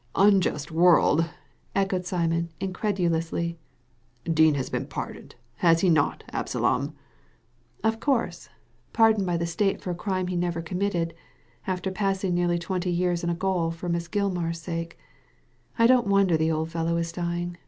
"Unjust world!" echoed Simon, incredulously. ''Dean has been pardoned, has he not, Absalom ?" "Of course ; pardoned by the State for a crime he never committed, after passing nearly twenty years in gaol for Miss Gilmar's sake. I don't wonder the old fellow is dying.